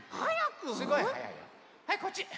はいこっち。